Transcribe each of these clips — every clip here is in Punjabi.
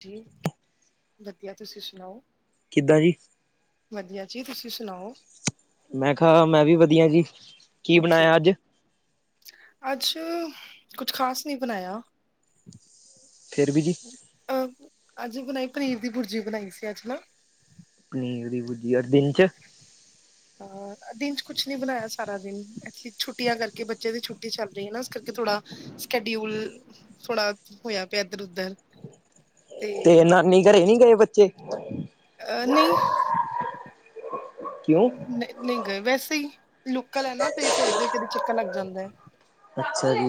ਜੀ, ਵਦੀਆ ਤੁਸੀਂ ਸੁਣਾਓ ਕਿੱਦਾਂ ਜੀ ਵਦੀਆ ਜੀ, ਤੁਸੀਂ ਸੁਣਾਓ ਮੈਂ ਖਾ ਮੈਂ ਵੀ ਵਦੀਆ ਜੀ। ਕੀ ਓਕੇ ਬਣਾਇਆ ਜੀ, ਅੱਜ ਅਸੀ ਕੁਛ ਖ਼ਾਸ ਨੀ ਬਨਾਇਆ ਫਿਰ ਵੀ ਜੀ ਅਹ ਅੱਜ ਬਨਾਈ ਪਨੀਰ ਦੀ ਭੁਰਜੀ ਬਨਾਈ ਸੀ, ਅੱਜ ਨਾ। ਪਨੀਰ ਦੀ ਭੁਰਜੀ ਅੱਜ ਦਿਨ ਚ? ਹੋਰ? ਦਿਨ ਚ ਕੁੱਛ ਨੀ ਬਨਾਇਆ ਸਾਰਾ ਦਿਨ। ਐਕਚੂਲੀ ਛੁੱਟੀਆਂ ਕਰਕੇ ਬੱਚੇ ਦੀ ਛੁੱਟੀ ਚੱਲ ਰਹੀ ਹੈ ਨਾ ਇਸ ਕਰਕੇ ਥੋੜਾ ਸਕੈਡਿਊਲ ਥੋੜਾ ਹੋਇਆ ਪਿਆ ਇਧਰ-ਉਧਰ। ਤੇ ਨਾਨੀ ਘਰੇ ਨੀ ਗਏ, ਬੱਚੇ? ਅ ਨਈਂ ਕਿਉਂ ਨਈ ਨਈ ਗਏ, ਵੈਸੇ ਹੀ ਲੋਕਲ ਹੈ ਨਾ ਤੇ ਫਿਰਦੇ ਫਿਰਦੇ ਚੱਕਰ ਲੱਗ ਜਾਂਦੈ। ਅੱਛਾ ਜੀ।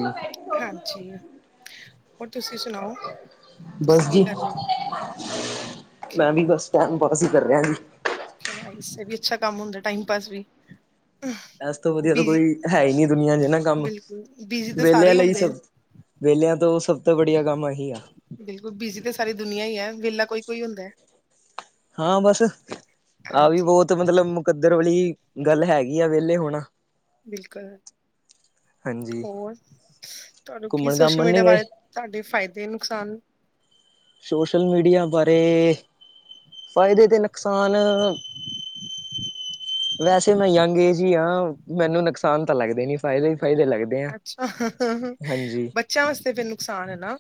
ਹਾਂਜੀ, ਹੋਰ ਤੁਸੀਂ ਸੁਣਾਓ। ਤੁਸੀਂ ਬਸ ਕੀ ਜੀ, ਕਰ ਰਹੇ ਹੋ ਮੈਂ ਵੀ ਬਸ ਟਾਈਮ ਪਾਸ ਹੀ ਕਰ ਰਿਹਾਂ ਜੀ। ਚਲੋ, ਏਹ ਵੀ ਅੱਛਾ ਕੰਮ ਹੁੰਦੈ, ਟਾਈਮ ਪਾਸ ਵੀ। ਇਸ ਤੋਂ ਵਧੀਆ ਤਾਂ ਬਿਜੀ ਕੋਈ ਹੈ ਹੀ ਨੀ ਦੁਨੀਆਂ ਚ ਨਾ ਕੰਮ ਬਿਲਕੁਲ ਬਿਜੀ ਤਾਂ ਸਾਰੇ ਵਿਹਲਿਆਂ ਹੀ ਲਈ ਹੁੰਦੇ ਹੈ। ਸਭ ਵਿਹਲਿਆਂ ਤੋਂ ਉਹ ਸਭ ਤੋਂ ਵੜੀਆ ਕੰਮ ਆਹੀ ਆ। ਬਿਲਕੁਲ ਬਿਜੀ ਤੇ ਸਾਰੀ ਦੁਨੀਆਂ ਈ ਐ ਵਿਹਲਾ ਕੋਈ- ਕੋਈ ਹੁੰਦਾ ਹੈ। ਹਾਂ ਬਸ, ਆਹ ਵੀ ਹਾਂਜੀ ਬਹੁਤ ਮਤਲਬ ਮ ਕੱਦਰ ਵਾਲੀ ਗੱਲ ਹੈਗੀ ਆ ਵਿਹਲੇ ਹੋਣਾ। ਬਿਲਕੁਲ, ਹਾਂਜੀ ਹੋਰ ਤੁਹਾਨੂੰ ਕੀ ਘੁੰਮਣ ਸੋਸ਼ਲ ਘਾਮਣ ਨੀ ਮੀਡੀਆ ਗਏ ਬਾਰੇ ਤੁਹਾਡੇ ਫ਼ਾਇਦੇ ਨੁਕਸਾਨ ਸੋਸ਼ਲ ਮੀਡੀਆ ਬਾਰੇ, ਫਾਇਦੇ ਤੇ ਨੁਕਸਾਨ ਵੈਸੇ ਮੈਂ ਯੰਗ ਏਜ ਈ ਹਾਂ, ਮੈਨੂੰ ਨੁਕਸਾਨ ਤਾਂ ਲੱਗਦੇ ਨੀ ਫਾਇਦੇ ਹੀ ਫਾਇਦੇ ਲੱਗਦੇ ਆ। ਅੱਛਾ, ਹਾਂਜੀ ਬੱਚਿਆਂ ਵਾਸਤੇ ਫਿਰ ਨੁਕਸਾਨ ਐ ਨਾ।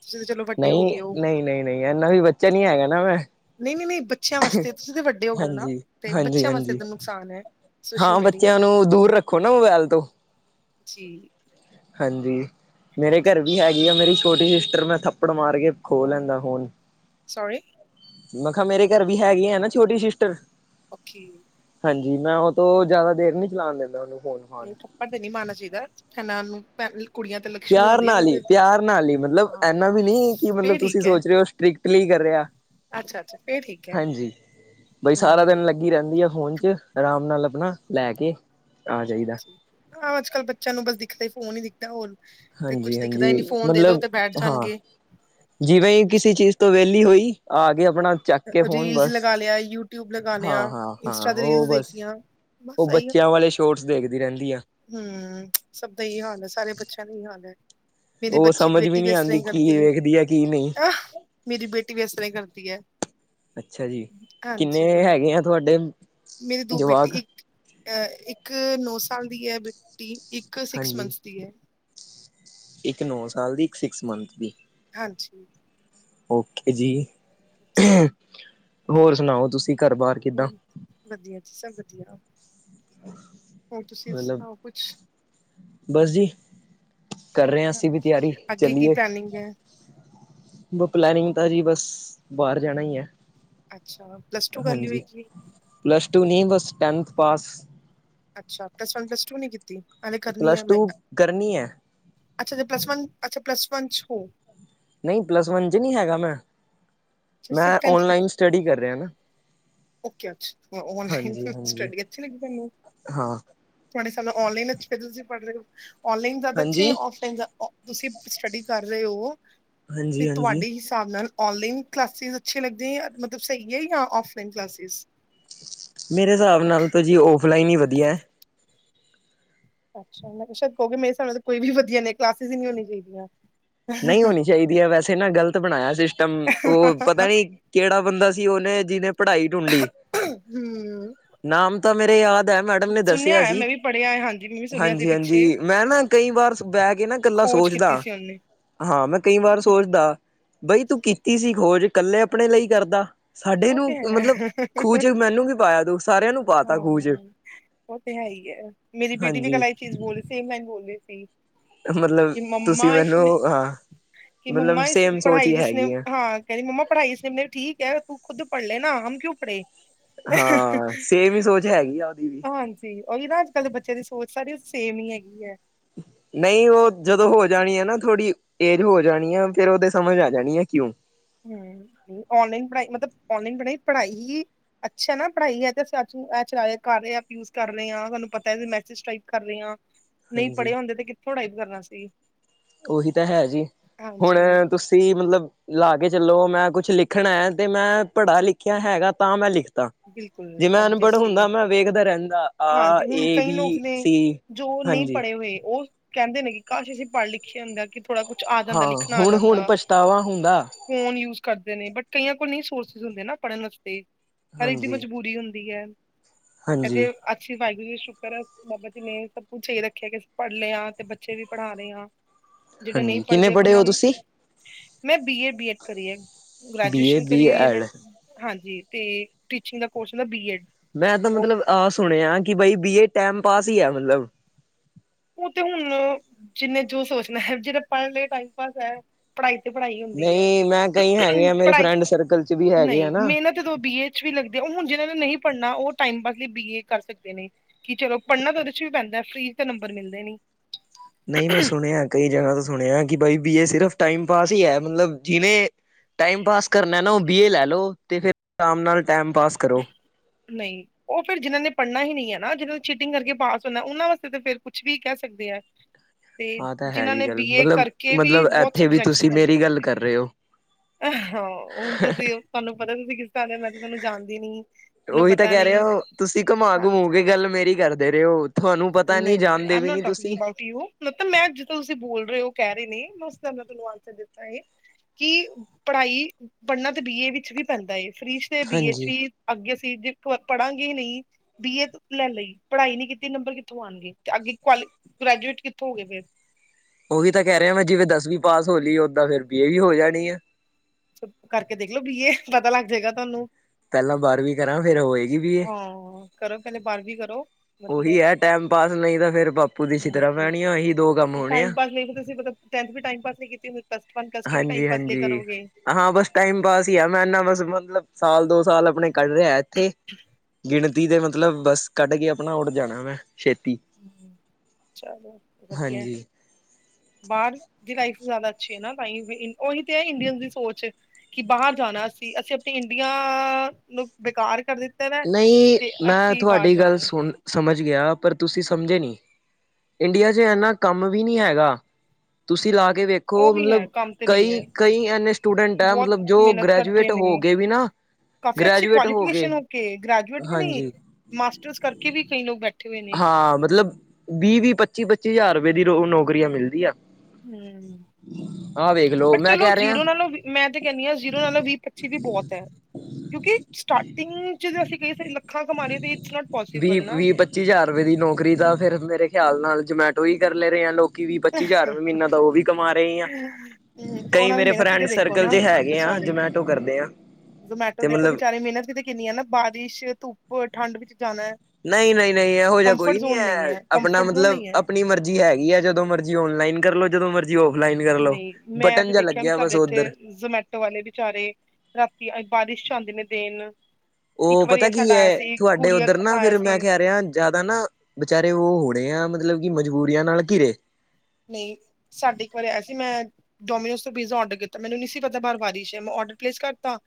ਤੁਸੀਂ ਚਲੋ ਵੱਡੇ ਹੋ ਗਏ ਓ। ਨੀ ਇਨਾ ਵੀ ਬੱਚਾ ਨੀ ਹੈਗਾ ਨਾ ਮੈਂ ਨਈ -ਨਈ -ਨਈ ਬੱਚਿਆਂ ਵਾਸਤੇ ਤੁਸੀਂ ਤਾਂ ਵੱਡੇ ਹੋ ਗੇ ਓ ਨਾ, ਹਾਂਜੀ ਤੇ ਹਾਂਜੀ ਬੱਚਿਆਂ ਹਾਂਜੀ ਵਾਸਤੇ ਨੁਕਸਾਨ ਐ। ਹਾਂ ਬੱਚਿਆਂ ਨੂੰ ਦੂਰ ਰੱਖੋ ਨਾ ਮੋਬਾਇਲ ਤੋਂ। ਜੀ ਹਾਂਜੀ, ਮੇਰੇ ਘਰ ਵੀ ਹੈਗੀ ਆ ਮੇਰੀ ਛੋਟੀ ਸਿਸਟਰ ਮੈਂ ਥੱਪੜ ਮਾਰ ਕੇ ਖੋ ਲੈਂਦਾ ਹੁਣ ਸੋਰੀ ਮਖਾਂ ਮੇਰੇ ਘਰ ਵੀ ਹੈਗੇ ਹੈ ਨਾ ਛੋਟੀ ਸਿਸਟਰ- ਓਕੇ ਹਾਂਜੀ, ਮੈਂ ਉਹ ਤੋਂ ਜ਼ਿਆਦਾ ਦੇਰ ਨੀ ਚਲਾਉਣ ਦੈਂਦਾ ਉਹਨੂੰ ਫੋਨ। ਫਾਨ ਨਹੀਂ ਥੱਪੜ ਤੇ ਨੀ ਮਾਰਨਾ ਚਾਹੀਦਾ ਇਹਨਾ ਨੂੰ ਭੈ ਕੁੜੀਆਂ ਤੇ ਲਕਸ਼ਮੀ ਪਿਆਰ ਆਉਂਦੀਆਂ ਨਾਲ ਈ ਉਹਦੇ ਪਿਆਰ ਨਾਲ ਈ ਮਤਲਬ ਹਾਂ ਇਨਾ ਵੀ ਨਹੀਂ ਕਿ ਮਤਲਬ ਫੇਰ ਤੁਸੀਂ ਠੀਕ ਹੈ ਸੋਚ ਰਹੇ ਹੋ ਸਟ੍ਰਿਕਟਲੀ ਕਰ ਰਿਹਾ। ਅੱਛਾ ਅੱਛਾ ਫੇਰ ਠੀਕ ਐ। ਹਾਂਜੀ ਬਈ ਸਾਰਾ ਦਿਨ ਲੱਗੀ ਰਹਿੰਦੀ ਆ ਫੋਨ ਚ ਆਰਾਮ ਨਾਲ ਆਪਣਾ ਲੈ ਕੇ, ਆ ਜਾਈਦਾ। ਹਾਂ ਅੱਜ ਕੱਲ ਬੱਚਿਆਂ ਨੂੰ ਬਸ ਦਿਖਦਾ ਹੀ ਫੋਨ ਹੀ ਦਿਖਦਾ ਹੋਰ ਤੇ ਕੁੱਛ ਹਾਂਜੀ ਦਿਖਦਾ ਹਾਂਜੀ ਹੀ ਨਹੀਂ ਫੋਨ ਦੇ ਦੋ ਮਤਲਬ ਤੇ ਬੈਠ ਹਾਂ, ਜਾਣਗੇ ਜਿਵੇਂ ਹੀ ਕਿਸੇ ਅੱਛਾ ਚੀਜ਼ ਤੋ ਵੇਲੀ ਹੋਈ ਆ ਕੇ ਆਪਣਾ ਚੱਕ ਕੇ ਫੋਨ ਬਸ ਅ ਲੈ ਆਈ ਯੂਟਿਊਬ ਲਗਾ ਲਿਆ ਹਾਂ ਹਾਂ ਹਾਂ ਇੰਸਟਾ ਤੇ ਉਹ ਰੀਲਸ ਦੇਖ ਬਸ, ਲਈਆਂ ਉਹ ਬੱਚਿਆਂ ਵਾਲੇ ਸ਼ੋਰਟਸ ਦੇਖਦੀ ਰਹਿੰਦੀ ਆ। ਹੂੰ ਸਭ ਦਾ ਹੀ ਹਾਲ ਹੈ, ਸਾਰੇ ਬੱਚਿਆਂ ਦਾ ਹੀ ਹਾਲ ਹੈ। ਮੇਰੀ ਉਹ ਬੱਚੀ ਸਮਝ ਬੇਟੀ ਵੀ ਨਹੀਂ ਇਸ ਤਰ੍ਹਾਂ ਆਉਂਦੀ ਹੀ ਕੀ ਕਰਦੀ ਵੇਖਦੀ ਆ ਕੀ ਨਹੀਂ ਐ, ਮੇਰੀ ਬੇਟੀ ਵੀ ਤਰ੍ਹਾਂ ਹੀ ਕਰਦੀ ਐ। ਅੱਛਾ ਜੀ ਕਿੰਨੇ ਹੈਗੇ ਆ ਤੁਹਾਡੇ ਮੇਰੇ ਦੋ ਬੇਟੀ ਜਵਾਕ ਇੱਕ ਅਹ ਇੱਕ ਨੌ ਸਾਲ ਦੀ ਆ ਬੇਟੀ ਇੱਕ ਸਿਕਸ ਹਾਂਜੀ ਮੰਥ ਦੀ ਐ। ਇੱਕ ਨੌ ਸਾਲ ਦੀ ਇੱਕ ਸਿਕਸ ਮੰਥ ਦੀ। ਹਾਂਜੀ ਓਕੇ ਜੀ ਹਾਂਜੀ ਹੋਰ ਸੁਣਾਓ ਤੁਸੀਂ ਘਰ ਬਾਹਰ? ਹੂੰ ਵਧੀਆ ਜੀ ਸਭ ਵਧੀਆ, ਹੋਰ ਤੁਸੀਂ ਮਤਲਬ ਸੁਣਾਓ ਕੁਛ? ਬਸ ਜੀ ਕਰ ਰਹੇ ਅਸੀਂ ਹਮ, ਵੀ ਤਿਆਰੀ ਅੱਗੇ ਕੀ ਚੱਲੀਏ ਪਲੈਨਿੰਗ ਹੈ ਪਲੈਨਿੰਗ ਤਾਂ ਜੀ ਬਸ ਬਾਹਰ ਜਾਣਾ ਈ ਐ। ਅੱਛਾ ਪਲੱਸ ਟੂ ਕਰ ਲਈ ਹੋਏਗੀ? ਪਲੱਸ ਟੂ ਨਹੀਂ ਬਸ ਟੈਂਨਥ ਪਾਸ। ਅੱਛਾ ਪਲੱਸ ਵਨ ਪਲੱਸ ਟੂ ਨੀ ਕੀਤੀ? ਹਾਲੇ ਕਰਨੀ ਪਲੱਸ ਹੈ ਟੂ ਮੈਂ ਕਰਨੀ ਐ। ਅੱਛਾ ਪਲੱਸ ਵਨ ਅੱਛਾ ਪਲਸ ਵਨ ਚ ਹੋ। ਨੀਂ ਪਲੱਸ ਵਨ 'ਚ ਨਈ ਹੈਗਾ ਮੈਂ, ਅੱਛਾ ਸਿਰਫ ਮੈਂ ਓਨਲਾਈਨ ਕੀਤੀ ਸਟੱਡੀ ਕਰ ਰਿਆ ਨਾ। ਓਕੇ, ਓਨਲਾਈਨ ਹਾਂਜੀ ਹਾਂਜੀ ਸਟੱਡੀ ਅੱਛੀ ਲੱਗਦੀ ਤੈਨੂੰ? ਹਾਂ ਤੁਆਡੇ ਹਿਸਾਲ ਨਾ, ਔਨਲਾਈਨ ਅੱਛੀ ਐ, ਜੋ ਤੁਸੀ ਪੜ ਰਏ ਓ, ਔਨਲਾਈਨ ਜਾਦਾ ਅੱਛੀ ਐ ਹਾਂਜੀ ਯਾ, ਔਫਲਾਈਨ ਜਾ ਅੱ ਤੁਸੀਂ ਸਟੱਡੀ ਕਰ ਰਏ ਓ, ਤੇ ਹਾਂਜੀ ਹਾਂਜੀ ਤੁਹਾਡੇ ਹਿ ਸਾਬ ਨਾਲ, ਓਨਲਾਈਨ ਕਲਾਸਿਸ ਅੱਛੀ ਲੱਗਦੀ ਮਤਲਬ ਸਈ ਏ ਜਾਂ ਆਫਲਾਈਨ ਕਲਾਸਿਸ। ਮੇਰੇ ਹਿਸਾਬ ਨਾਲ ਤਾਂ ਜੀ, ਔਫਲਾਈਨ ਹੀ ਵਧੀਆ। ਅੱਛਾ ਮੈੰ ਕਿਆ, ਸ਼ਾਏਦ ਕਹੋਗੇ ਮੇਰੇ ਹਿਸਾਬ ਨਾਲ ਤੇ ਕੋਈ ਵੀ ਵਧੀਆ ਨੀ ਕਲਾਸੇਸ ਹੀ ਨਈ ਹੋਣੀ ਚਾਈਦੀਆਂ। ਨਹੀਂ ਹੋਣੀ ਚਾਈਦੀਆਂ ਵੈਸੇ ਨਾ ਗ਼ਲਤ ਬਣਾਏਆ ਸਿਸਟਮ ਓ ਪਤਾ ਨਈਂ। ਕੇਹੜਾ ਬੰਦਾ ਸੀ, ਓਨੇ ਜਿਹਨੇ ਪੜ੍ਹਾਈ ਢੂੰਡੀ? ਹਮ ਨਾਮ ਤਾਂ ਮੇਰੇ ਯਾਦ ਐ, ਮੈਡਮ ਨੇ ਸੁਣਿਆ ਦੱਸੇਆ ਹੈ ਸੀ। ਮੈਂ ਵੀ ਪੜ੍ਹਿਆ ਹੈ ਹਾਂਜੀ ਮੈਂ ਵੀ ਸੁਣਿਆ ਸੀ ਹਾਂਜੀ ਪਿੱਛੇ -ਹਾਂਜੀ, ਮੈੰ ਨਾ, ਕਈ ਵਾਰ ਬੈਹ ਕੇ ਨਾ ਕੱਲਾ ਖੋਜ ਕੀਤੀ ਸੋਚਦਾ। ਸੀ ਉਹਨੇ ਹਾਂ, ਮੈਂ ਕਈ ਵਾਰ ਸੋਚਦਾ, ਬਈ ਤੂੰ ਕੀਤੀ ਸੀ ਖੋਜ, ਕੱਲੇ ਆਪਨੇ ਲਈ ਕਰਦਾ। ਸਾਡੇ ਉਹ ਨੂੰ, ਤੇ ਹੈ ਮਤਲਬ ਖੂਹ 'ਚ, ਮੈਨੂੰ ਕਿਉਂ ਪਾਏਆ ਤੂੰ, ਸਾਰੇਆਂ ਨੂੰ ਪਾ ਤਾ ਖੂਹ 'ਚ ਓ ਤੇ ਹੈ ਹੀ ਐ, ਮੇਰੀ ਬੇਟੀ ਵੀ, ਹਾਂਜੀ ਕਲ ਐ ਈ ਚੀਜ਼ ਬੋਲ ਰਈ ਸੀ, ਸੇਮ ਐਂ ਬੋਲ ਰੀ ਸੀ। ਮਤਲਬ, ਕਿ ਤੁਸੀਂ ਮੰਮਾ ਮੈਨੂੰ ਇਸਨੇ ਹਾਂ ਕਿ ਮਤਲਬ ਮੰਮਾ, ਇਸ ਸੇਮ ਸੋਚ ਪੜ੍ਹਾਈ ਨੇ ਹੀ ਜਿਸਨੇ ਹੈਗੀ ਆ ਹਾਂ ਕੈੰਦੀ ਮੰਮਾ ਪੜ੍ਹਾਈ ਸੇ ਮੈ ਠੀਕ ਐ, ਤੂੰ ਖੁਦ ਪੜ੍ਹ ਲੈ ਨਾ, ਹਮ ਕਿਉਂ ਪੜ੍ਹੇ। ਹਾਂ, ਸੇਮ ਹੀ ਸੋਚ ਹੈਗੀ ਆ, ਓਦੀ ਵੀ। ਓਹੀ ਨਾ, ਅੱਜ -ਕੱਲ ਦੇ ਬੱਚੇ ਦੀ ਸੋਚ ਸਾਰੀ ਸੇਮ ਈ ਹੈਗੀ ਐ। ਨਈ ਓ ਜਦੋਂ ਹੋ ਜਾਣੀ ਐ ਨਾ ਥੋੜ੍ਹੀ ਏਜ ਹੋ ਜਾਣੀ ਐ ਫਿਰ ਓਦੇ ਸਮਝ ਆ ਜਾਣੀ ਆ, ਕਿਉਂ? ਹੂੰ, ਓਨਲਾਈਨ ਪੜ੍ਹਾਈ ਮਤਲਬ, ਓਨਲਾਈਨ ਪੜ੍ਹਾਈ, ਪੜ੍ਹਾਈ ਹੀ ਅੱਛਾ ਐ ਨਾ ਪੜ੍ਹਾਈ ਹੈ ਤੇ [unintelligible] ਤੁਹਾਨੂੰ ਪਤਾ ਮੈਸਜ ਟਾਈਪ ਕਰ ਰਏ ਹਾਂ। [inaudible] ਨਈਂ ਪੜ੍ਹੇ ਹੁੰਦੇ ਤੇ, ਕਿੱਥੋਂ ਟਾਈਪ ਕਰਨਾ ਸੀ। ਓਹੀ ਤਾਂ ਹੈ ਜੀ, ਹੁਣ ਹਾਂਜੀ ਤੁਸ ਸੀ, ਮਤਲਬ ਲਾ ਕੇ ਚਲੋ, ਮੈਂ ਕੁਛ ਲਿਖਣਾ ਤੇ ਮੈਂ ਪੜ੍ਹਾ ਲਿਖੇਆ ਹੈਗਾ ਤਾਂ ਮੈਂ ਲਿਖ ਤਾ, ਬਿਲਕੁਲ ਜੇ ਮੈਂ ਅਨਪੜ੍ਹ ਹੁੰਦਾ, ਓਬਵੀਅਸਲੀ ਮੈਂ ਵੇਖਦਾ ਰੈੰਦਾ। ਹਾਂਜੀ ਹੁਨ, ਕਈ ਲੋਕ ਨੇ, ਜੋ ਨਈ ਹਾਂਜੀ ਪੜ੍ਹੇ ਹੋਏ ਓ ਕੈੰਦੇ ਨੇ ਕਿ, ਕਾਸ਼ ਅਸੀ ਪੜ੍ਹ ਲਿਖੇਆ ਹੁੰਦਾ ਕਿ ਥੋੜ੍ਹਾ ਕੁਛ ਆ ਹਾਂ ਜਾਂਦਾ, ਲਿਖਣਾ ਆ ਹੁਣ ਹੁਣ ਜਾਂਦਾ। ਪਛਤਾਵਾ ਹੁੰਦਾ ਫ਼ੋਨ ਯੂਜ ਕਰਦੇ ਨੇ, ਬਟ ਕਈਆਂ ਕੋਲ ਨਈ ਸੋਰਸਿਸ ਹੁੰਦੇ ਨਾ, ਪੜ੍ਹਨ ਵਾਸਤੇ। ਹਰ ਇੱਕ ਦੀ ਹਾਂਜੀ। ਮਜਬੂਰੀ ਹੁੰਦੀ ਐ, ਹਾਂਜੀ ਅਤੇ ਅੱਛੀ ਵਾਏਗੁਰੂ ਸ਼ੁਕਰ ਐ, ਬਾਬਾ ਜੀ ਨੇ ਸਭ ਕੁਛ ਸਈ ਰੱਖੇਆ ਕਿ, ਅਸੀ ਪੜ੍ਹ ਲੇ ਆਂ, ਤੇ ਬੱਚੇ ਵੀ ਪੜ੍ਹਾ ਰਏ ਆਂ। ਹਾਂਜੀ, ਕਿੰਨੇ ਪੜ੍ਹੇ ਓ ਤੁਸੀ? ਮੈਂ ਬੀ -ਏ, ਬੀ-ਐਡ ਕਰੀ ਐ, ਬੀ ਏ ਗ੍ਰੈਜੂਏਸ਼ਨ ਬੀ ਕਰੀ ਹੋਈ ਐ ਮੈਂ। ਐਡ ਹਾਂਜੀ ਤੇ, ਟੀਚਿੰਗ ਦਾ ਕੋਰਸ ਹੁੰਦਾ ਬੀ-ਐਡ। ਮੈਂ ਤਾਂ, ਮਤਲਬ ਆਹ ਸੁਣੇਆ ਕਿ, ਬਈ ਬੀ -ਏ, ਟੈਮ ਪਾਸ ਈ ਆ ਮਤਲਬ। ਓ ਤੇ ਹੁਣ ਜਿੰਨੇ ਜੋ ਸੋਚਨਾ, ਜਿੰਨੇ ਪੜ੍ਹ ਲੇ ਟਾਈਮ ਪਾਸ ਐ। ਪੜ੍ਹਾਈ ਤੇ, ਪੜ੍ਹਾਈ ਹੁੰਦੀ ਐ, ਨਹੀਂ ਮੈਂ ਕਈ ਹੈਗੇ ਆ ਮੇਰੇ ਪੜ੍ਹਾਈ, ਫਰੈਂਡ ਸਰਕਲ ਚ ਵੀ ਹੈਗੇ ਆ ਨਈ ਨਾ ਮੇਹਨਤ ਜਦੋਂ ਬੀ ਏ 'ਚ ਵੀ ਲੱਗਦੇ, ਓ ਹੁਣ ਜਿਨਾਂ ਨੇ ਨਈ ਪੜ੍ਹਨਾ ਓ ਟਾਈਮ ਪਾਸ ਲਈ ਬੀ- ਏ ਕਰ ਸਕਦੇ ਨੇ। ਕੀ ਚਲੋ, ਪੜ੍ਹਨਾ ਤਾਂ ਓਦੇ ਚ ਵੀ ਪੈਂਦਾ ਫ੍ਰੀ 'ਚ ਤੇ ਨੰਬਰ ਮਿਲਦੇ ਨੀ। ਨਈਂ ਮੈਂ ਸੁਨੇਆ, ਕਈ ਜਗ੍ਹਾ ਤੋਂ ਸੁਨੇਆ ਕਿ, ਬਈ ਬੀ‌- ਏ ਸਿਰਫ ਟਾਈਮ ਪਾਸ ਈ, ਐ ਮਤਲਬ ਜਿਵੇਂ ਟਾਈਮ ਪਾਸ ਕਰਨਾ ਨਾ, ਓ ਬੀ- ਏ ਲੈ ਲੋ, ਤੇ ਫਿਰ ਆਰਾਮ ਨਾਲ ਟਾਈਮ ਪਾਸ ਕਰੋ। ਨਈਂ। ਓ ਫਿਰ ਜਿਨਾਂ ਨੇ, ਪੜਨਾ ਹੀ ਨਈ ਐ ਨਾ, ਜਿਨਾਂ ਨੇ ਚੀਟਿੰਗ ਕਰਕੇ ਪਾਸ ਹੋਨਾ, ਓਨਾਂ ਵਾਸਤੇ ਤਾਂ ਫੇਰ ਕੁਛ ਵੀ ਕੇਹ ਸਕਦੇ ਐ। ਆਹ ਤਾਂ ਹੈ ਜੀ ਗੱਲ ਮਤਲਬ, ਕਰਕੇ ਵੀ ਮਤਲਬ ਬਹੁਤ ਇੱਥੇ ਵੀ ਤੁਸੀਂ ਮੇਰੀ ਗੱਲ ਕਰ ਰਹੇ ਹੋ। ਆਹਾਔ, ਹੁਣ ਤੁਸੀਂ ਤੁਹਾਨੂੰ ਪਤਾ ਤੁਸੀਂ ਕਿਸ ਤਰ੍ਹਾਂ ਦੇ ਮ ਉਹੀ ਤਾਂ ਕਹਿ ਰਹੇ ਹੋ, ਤੁਸੀਂ ਹਾਂ ਘੁਮਾ-ਘੁਮੂ ਕੇ ਗੱਲ ਮੇਰੀ ਕਰਦੇ ਰਹੇ ਹੋ। ਤੁਹਾਨੂੰ ਪਤਾ ਨੀ ਜਾਣਦੇ ਵੀ ਨੀ ਤੁਸੀਂ। ਪੁੱਤ ਮੈਂ ਜਿਸ ਤਰਾਂ ਤੁਸੀਂ ਬੋਲ ਰਹੇ ਹੋ ਕਹਿ ਰਹੇ ਨੇ ਮੈਂ ਉਸ ਦਾ ਤੈਨੂੰ ਆਂਸਰ ਦਿੱਤਾ ਏ। ਕੀ ਪੜ੍ਹਾਈ, ਪੜ੍ਹਨਾ ਤੇ ਬੀਏ ਵਿੱਚ ਵੀ ਪੈਂਦਾ ਹੈ, ਫ੍ਰੀ ਚ ਤੇ ਬੀਏ ਚ ਹਾਂਜੀ ਵੀ ਅੱਗੇ ਅਸੀਂ ਜ਼ੇ ਪੜਾਂਗੇ ਹੀ ਨਹੀਂ, ਬੀ ਏ ਲੈ ਲਈ, ਪੜ੍ਹਾਈ ਨਹੀਂ ਕੀਤੀ ਨੰਬਰ ਕਿੱਥੋਂ ਆਣਗੇ ਤੇ ਅੱਗੇ ਕੁਆਲੀ- ਗ੍ਰੈਜੂਏਟ ਕਿੱਥੋਂ ਹੋ ਗਏ ਫਿਰ ਉਹੀ ਤਾਂ ਕਹਿ ਰਿਹਾ ਮੈਂ ਜਿਵੇਂ ਦਸਵੀਂ ਪਾਸ ਹੋਲੀ, ਓਦਾਂ ਫਿਰ ਬੀ ਏ ਵੀ ਹੋ ਜਾਣੀ ਆ। ਤੋ ਕਰਕੇ ਦੇਖਲੋ ਬੀਏ, ਪਤਾ ਲੱਗ ਜਾਏਗਾ ਤੁਹਾਨੂੰ। ਪਹਿਲਾਂ ਬਾਰਵੀਂ ਕਰਾਂ ਫੇਰ ਹੋਏਗੀ ਬੀਏ। ਹਾਂ ਕਰੋ ਪਹਿਲੇ ਬਾਰਵੀਂ ਕਰੋ। ਉਹੀ ਵਧੀਆ ਹੈ ਟੈਮ ਪਾਸ ਨਈ ਤਾਂ ਫੇਰ ਬਾਪੂ ਦੀ ਛਿੱਤਰਾਂ ਪੈਣੀਆਂ ਇਹੀ ਦੋ ਕੰਮ ਹੋਣੇ ਆ। ਨਹੀ ਫਿਰ ਮਲਬ ਤੁਸੀਂ ਟੈਂਥ ਵੀ ਟਾਇਮ ਪਾਸ ਲਈ ਕੀਤੀ ਫਿਰ ਦਸ- ਪੱਲਸ ਵੰਨ-ਟੂ ਵੀ ਟਾਇਮ ਪਾਸ ਲਈ ਹਾਂਜੀ-ਹਾਂਜੀ। ਕਰੋਗੇ। ਹਾਂ ਬਸ ਟਾਈਮ ਪਾਸ ਹੀ ਆ, ਮੈਂ ਇੰਨਾ ਬਸ ਮਤਲਬ ਸਾਲ ਦੋ ਸਾਲ ਆਪਣੇ ਕੱਢ ਰਿਹਾ ਇੱਥੇ। [inaudible] ਗਿਣਤੀ ਦੇ ਮਤਲਬ ਬਸ ਕੱਢ ਕੇ ਆਪਣਾ ਉੱਡ ਜਾਣਾ ਮੈਂ, ਛੇਤੀ। ਚਲੋ, ਵਧੀਆ। ਹਾਂਜੀ। ਬਾਹਰ ਦੀ ਲਾਈਫ ਜ਼ਿਆਦਾ ਅੱਛੀ ਹੈ ਨਾ ਤਾਂ ਹੀ, ਉਹੀ ਤੇ ਹੈ ਇੰਡੀਅਨ ਦੀ ਸੋਚ ਕਿ ਬਾਹਰ ਜਾਣਾ ਅਸੀਂ, ਅਸੀਂ ਆਪਣੀ ਇੰਡੀਆ ਨੂੰ ਬੇਕਾਰ ਕਰ ਦਿੱ ਨਹੀਂ, ਮੈਂ ਤੁਹਾਡੀ ਗੱਲ ਸੁਣ ਸਮਝ ਗਿਆ ਪਰ ਤੁਸੀਂ ਸਮਝੇ ਨੀ, ਇੰਡੀਆ ਚ ਇੰਨਾ ਕੰਮ ਵੀ ਨੀ ਹੈਗਾ। ਤੁਸੀਂ ਲਾ ਹਮ ਕੇ ਵੇਖੋ ਉਹ ਵੀ ਮਲਬ ਹੈ ਕੰਮ ਤੇ ਨਹੀਂ ਕਈ ਹੈ ਕਈ ਇੰਨੇ ਸਟੂਡੈਂਟ ਐ ਬਹੁਤ ਮਤਲਬ ਜੋ ਮਿਹਨਤ ਕਰਦੇ ਗ੍ਰੈਜੂਏਟ ਹੋ ਨੇ ਗੇ ਵੀ ਨਾ ਕਾਫੀ ਅੱਛੀ ਗ੍ਰੈਜੂਏਟ ਹੋ ਕੇ ਕੁਆਲੀਫਿਕੇਸ਼ਨ ਕੇ ਗ੍ਰੈਜੂਏਟ ਵੀ ਨਹੀਂ, ਮਾਸਟਰਸ ਕਰਕੇ ਵੀ ਕਈ ਲੋਕ ਬੈਠੇ ਹੋਏ ਨੇ ਹਾਂ ਮਤਲਬ, ਵੀਹ ਵੀਹ, ਪੱਚੀ ਪੱਚੀ ਹਜ਼ਾਰ ਰੁਪਏ ਦੀ ਰੋ ਨੌਕਰੀਆਂ ਮਿਲਦੀ ਆ। ਹਮ [inaudible] ਲੋ ਬਟ ਮੈਂ ਚਲੋ ਕਹਿ ਰਿਹਾ ਜ਼ੀਰੋ ਨਾਲੋਂ, ਮੈਂ ਤੇ ਕਹਨੀ ਆ ਜ਼ੀਰੋ ਨਾਲੋਂ ਵੀਹ ਪੱਚੀ ਵੀ ਬਹੁਤ ਐ। ਕਿਉਂਕਿ ਸਟਾਰਟਿੰਗ ਚ ਜੇ ਅਸੀਂ ਕਹੀ ਅਸੀ ਲੱਖਾਂ ਕਮਾ ਲਈਏ ਤਾਂ ਇਟਸ ਨੋਟ ਪੋਸੀਬਲ ਵੀਹ ਨਾ। ਵੀਹ ਪੱਚੀ ਹਜ਼ਾਰ ਰੁਪਏ ਦੀ ਨੌਕਰੀ ਤਾਂ ਫੇਿਰ ਮੇਰੇ ਖਿਆਲ ਨਾਲ ਜਮੈਟੋ ਹੀ ਕਰ ਲੈ ਰਹੇ ਆ ਲੋਕ ਕਿ ਵੀ ਪੱਚੀ ਨਾ ਹਜ਼ਾਰ ਰੁਪਏ ਮਹੀਨਾ ਦਾ ਉਹ ਵੀ ਕਮਾ ਰਹੇ ਆ। ਹੂੰ, ਕਈ ਉਹਨਾਂ ਦੀ ਮੇਰੇ ਮਿਹਨਤ ਵੀ ਫਰੈਂਡ ਤੇ ਦੇਖੋ ਸਰਕਲ ਚ ਹੈਗੇ ਆ ਜਿਮੈ ਟ ਕਰਦੇ ਆ। ਜਮੈਟੋ ਤੇ ਦੇਖੋ ਮਤਲਬ ਵਿਚਾਰੇ ਮਿਹਨਤ ਵੀ ਤੇ ਕਿੰਨੀ ਆ ਨਾ ਬਾਰਿਸ਼ ਧੁੱਪ ਹੋਰ ਠੰਡ ਵਿੱਚ ਜਾਣਾ। ਨਹੀਂ, ਨਹੀਂ, ਨਹੀਂ, ਇਹੋ ਜਿਹਾ ਕੰਫਰਟ ਕੋਈ ਨਹੀਂ ਜ਼ੋਨ ਹੈ, ਆਪਣਾ ਕੰਫਰਟ ਜ਼ੋਨ ਮਤਲਬ ਨਹੀਂ ਹੈ। ਆਪਣੀ ਮਰਜ਼ ਜੀ ਹੈਗੀ ਆ ਜਦੋਂ ਮਰਜ਼ੀ ਆਨਲਾਈਨ ਕਰ ਲਓ, ਜਦੋਂ ਮਰਜ਼ੀ ਜੀ ਔਫਲਾਈਨ ਕਰ ਲਓ ਨਹੀਂ ਬਟਨ ਜਿਹਾ ਲੱਗਿਆ ਬਸ ਉੱਧਰ। ਟੋ ਆਲੇ ਬੀਚਾਰੇ ਰਾਤੀ ਬਾਰਿਸ਼ ਚ ਆਉਂਦੇ ਨੇ ਦੇਣ ਇੱਕ ਉਹ ਪਤਾ ਵਾਰੀ ਕੀ ਸਾਡਾ ਆਇਆ ਹੈ, ਸੀ ਤੁਹਾਡੇ ਕੁਰੀਅਰ ਉੱਧਰ ਨਾ ਆਇਆ ਫੇਰ ਮੈਂ ਸੀ ਕਹਿ ਰਿਹਾ ਜ਼ਿਆਦਾ ਨਾ ਵਿਚਾਰੇ ਉਹ ਹੋਣੇ ਆ ਮਤਲਬ ਕਿ ਮਜਬੂਰੀਆਂ ਨਾਲ ਘਿਰੇ ਨਹੀਂ ਸਾਡੇ ਇੱਕ ਵਾਰੀ ਆਇਆ ਸੀ ਮੈਂ ਡੋਮੀਨੋਸ ਤੋਂ ਪੀਜ਼ਾ ਰਡਰ ਕੀਤਾ। ਮੈਨੂੰ ਨਹੀਂ ਸੀ ਪਤਾ ਬਾਰ ਵਾਰੀਸ਼ ਮੈਂ ਰਡਰ ਪਲੇਸ ਕਰਤਾ।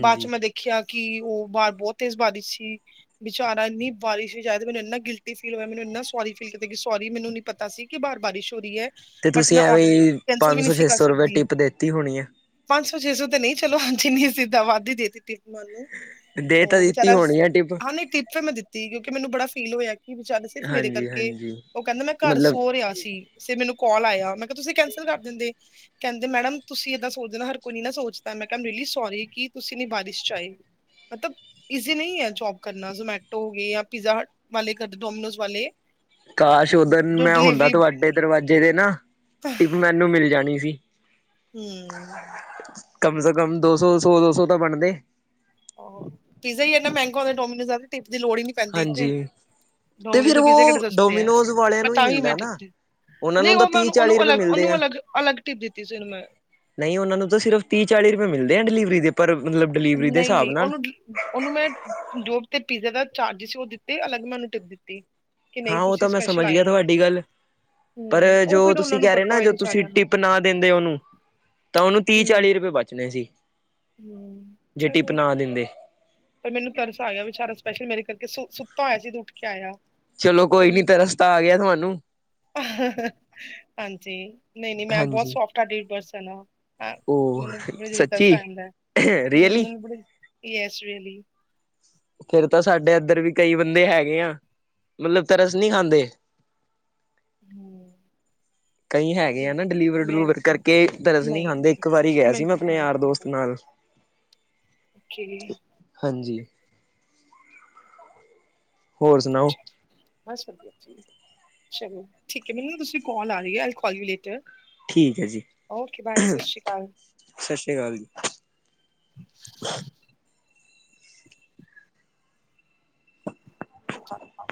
ਬਾਅਦ ਚ ਮੈਂ ਦੇਖ ਖਿਆ ਕਿ ਉਹ ਬਾਹਾਰ ਬਹੁਤ ਤੇਜ਼ ਬਾਰਿਸ਼ ਸੀ। ਵਿਚਾਰਾ ਇੰਨੀ ਬਾਰਿਸ਼ ਵਿੱਚ ਆਇਆ ਮੈਨੂੰੰ ਏਨਾ ਗਿਲਟੀ ਫੀਲ ਹੋਇਆ, ਮੈਨੂੰ ਇੰਨਾ ਸੋਰੀ ਫੀਲ ਕੀਤਾ ਕਿ ਸੋਰੀ ਮੈਨੂੰ ਨੀ ਪਤਾ ਸੀ ਕਿ ਬਾਹਰ ਬਾਰਿਸ਼ ਹੋ ਰਹੀ ਐ। ਤੇ ਬਟ ਤੁਸੀਂ ਮੈਂ ਐਵੇਂ ਓਡਰ ਈ ਕੈਂਸਲ ਵੀ ਪੰਜ ਨੀ ਸੌ ਸੀ ਛੇ ਕਰ ਸੌ ਰੁਪਏ ਸਕਦੀ। ਟਿਪ ਦੇਤੀ ਹੋਣੀ ਆ। ਪੰਜ ਸੌ-ਛੇ ਸੌ ਤੇ ਨਈ ਚਲੋ ਹਾਂਜੀ ਨੀ ਸਿੱਧਾ ਵਾੱਧ ਈ ਦੇ ਦਿੱਤੀ ਮਾਨੰ ਨੂੰ। ਦੇ ਤਾਂ ਓ ਦਿੱਤੀ ਵਚਾਰਾ ਸ ਹੋਣੀ ਆ ਟਿਪ ਹਾਂ ਨਈ ਟਿਪ ਤਾਂ ਮੈਂ ਦਿੱ ਤੀ ਕਿਉਂਕਿ ਮੈਨੂੰ ਬੜਾ ਫੀਲ ਹੋਇਆ ਕਿ ਵਚਾਰੇ ਸਿਰਫ ਮੇਰੇ ਹਾਂਜੀ ਕਰਕੇ ਹਾਂਜੀ। ਓ ਕੈਂਦੇ ਮੈਂ ਘਰ ਮਤਲਬ ਸੋ ਰਿਆ ਸੀ। ਫੇ ਮੈਨੂੰ ਕੌਲ ਆਇਆ ਮੈਂ ਕਿਆ ਤੁਸੀ ਕੈਂਸਲ ਕਰ ਦਿੰਦੇ। ਕੈਂਦੇ ਮੈਡਮ ਤੁਸੀ ਏਦਾਂ ਸੋਚਦੇ ਨਾਂ ਹਰ ਕੋਈ ਨੀ ਨਾ ਸੋਚਦਾ। ਮੈਂ ਕਿਆ ਆਈ ਐਮ ਰਿਅਲੀ ਸੋਰੀ ਕੀ ਤੁਸੀ ਇਨੀ ਬਾਰਿਸ਼ 'ਚ ਆਏ। ਮਤਬ ਇਜ਼ੀ ਨਈ ਐ ਜੋਬ ਕਰਨਾ ਜ਼ੋਮੈਟੋ ਹੋ ਗੇ ਯਾਂ ਪੀਜ਼ਾ ਹਟ ਵਾਲੇ ਕਡ ਡੋਮੀਨੋਜ਼ ਵਾਲੇ ਕਾਸ਼ ਓਦਨ ਜੋ ਮੈਂ ਹੁੰਦਾ ਤੁਆਡੇ ਦਰਵਾਜੇ ਦੇ ਨਾ ਤਾਂ ਟਿਪ ਮੈਨੂੰ ਮਿਲ ਜਾਣੀ ਸੀ। ਹਮ ਕਮ ਸੇ ਕਮ ਦੋ ਸੌ ਸਵਾ ਦੋ ਸੌ ਤਾਂ ਬਣਦੇ। ਪੀਜ਼ਾ ਈ ਏਨਾਂ ਮੈਂਗਾ ਹੋਂਦੈ ਡੋਮੀਨੋਜ਼ [unintelligible] ਟਿਪ ਦੀ ਲੋੜ ਈ ਨੀ ਪੈਂਦੀ। ਹਾਂਜੀ ਤੇ ਡੋਮਿਨੋਜ਼ ਫਿਰ ਦੇ ਪੀਜ਼ੇ ਕੇੜੇ ਉਹ ਸਸਤੇ ਐ ਡੋਮੀਨੋਜ਼ ਵਾਲਿਆਂ ਬ ਨੂੰ ਹੀ ਤਾਂ ਵੀ ਮੈਂ ਮਿਲਦਾ ਟਿਪ ਨਾ। ਦਿੱ ਉਹਨਾਂ ਨਈ ਨੂੰ ਤਾਂ ਓ ਮੈਂ ਤੀਹ ਓਨੂੰ, ਓਨੂੰ ਚਾਲੀ ਰੁਪਏ ਅਲੱਗ ਓਨੂੰ ਅਲੱਗ, ਅਲੱਗ ਟਿਪ ਦਿੱਤੀ ਸੀ, ਓਨੂੰ ਮੈਂ। ਨਈ ਓਨਾਂ ਨੂੰ ਤਾਂ ਸਿਰਫ ਤੀਅ-ਚਾਲੀ ਰੁਪਏ ਮਿਲਦੇ ਐ ਡਿਲੀਵਰੀ ਦੇ ਪਰ ਮਤਲਬ ਡਲੀਵਰੀ ਦੇ ਹਿਸਾਬ ਨਾਲ ਓਨੂੰ ਮੈਂ ਜੋਬ ਤੇ ਪੀਜ਼ੇ ਦਾ ਚਾਰਜ ਸੀ ਓ ਦਿੱਤੇ ਅਲੱਗ ਮੈਂ ਓਨੂੰ ਟਿੱਪ ਦਿੱਤੀ। ਕਿ ਹਾਂ ਨਹੀਂ ਓ ਤੁਸੀਂ ਤਾਂ ਮੈਂ ਸਪੈਸ਼ਲ ਸਮਝ ਆਏ ਗਿਆ ਹੋ ਤੁਆਡੀ ਗੱਲ। ਪਰ ਹੂੰ ਉਹ ਜੋ ਫਿਰ ਤੁਸੀ ਉਹਨਾਂ ਨੂੰ ਕੈ ਰੇ ਪਤਾ ਨਾ ਹੋਏ ਜੋ ਤੁਸੀ ਵਿਚਾਰਿਆਂ ਨੂੰ ਟਿਪ ਨਾ ਦਿੰਦੇ ਓਨੂੰ ਤਾਂ ਓਨੂੰ ਹੂੰ ਤੀਅ-ਚਾਲੀ ਰੁਪਏ ਬਾਚਨੇ ਸੀ ਹੂੰ ਜੇ ਟਿਪ ਚਲੋ ਨਾ ਦਿੰਦੇ। ਪਰ ਮੈਨੂੰ ਤਰਸ ਆ ਗਿਆ ਵਿਚਾਰਾ ਸਪੈਸ਼ਲ ਮੇਰੇ ਕਰਕੇ ਸੁ ਸੁੱਤਾ ਹੋਇਆ ਸੀ ਤੇ ਉੱਠ ਕੇ ਆਇਆ। ਚਲੋ ਕੋਈ ਹਮ, ਨੀ ਤਰਸ ਤਾਂ ਆ ਗਿਆ ਤੁਆਨੂੰ। ਹਾਂਜੀ, ਨਈ-ਨਈ ਮੈਂ ਬੋਤ ਹਾਂਜੀ ਸੋਫਟ ਟਈਡ ਪਰਸਨ ਆਂ। ਅ ਉਹ ਮੈਨੂੰ ਬੜੀ ਜਲਦੀ ਤਰਸ ਸੱਚੀ ਆ ਜਾਂਦੈ। ਹੂੰ, ਰੀਅਲੀ ਮੇਨੂੰ ਬੜੀ ਯੈਸ ਰੇਅਲੀ ਫੇਰ ਤਾਂ ਸਾਡੇ ਐੱਧਰ ਵੀ ਕਈ ਬੰਦੇ ਹੈਗੇ ਆ ਮਤਲਬ ਤਰਸ ਨੀ ਖਾਂਦੇ। ਹੂੰ। ਕਈ ਹੈਗੇ ਆ ਨਾ ਡਲੀਵਰ ਮੈਂ ਡਲੁਵਰ ਤੇ ਕਰਕੇ ਦਰਸ ਨੀ ਨਹੀਂ ਖਾਂਦੇ। ਇੱਕ ਵਾਰੀ ਗਿਆ ਸੀ ਮੈਨੂੰ ਮੈਂ ਆਪਣੇ ਗੁਰਦੁਆਰਾ ਯਾਰ ਸਾਹਿਬ ਦੋਸਤ ਦਾ ਨਾਲ ਓਕੇ। ਹਾਂਜੀ। ਹੋਰ ਸੁਣਾਓ? ਬਸ ਵਧੀਆ। ਤੁਸੀ ਚਲੋ ਠੀਕ ਐ, ਮੇਨੂੰ ਨਾ ਦੂਸਰੀ ਕੌਲ ਆ ਰੀਂ ਐ। I will call you later. ਠੀਕ ਐ ਜੀ। ਓਕੇ ਬਾਏ ਸਤਿ ਸ਼੍ਰੀ ਸਸ ਸ਼੍ਰੀ ਕਾਲ ਜੀ। [unintelligible] ਅੱਛਾ।